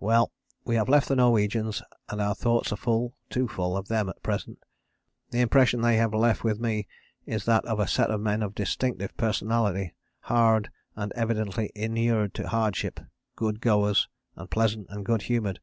"Well! we have left the Norwegians and our thoughts are full, too full, of them at present. The impression they have left with me is that of a set of men of distinctive personality, hard, and evidently inured to hardship, good goers and pleasant and good humoured.